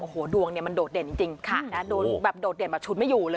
โอ้โหดวงเนี่ยมันโดดเด่นจริงโดนแบบโดดเด่นแบบชุดไม่อยู่เลย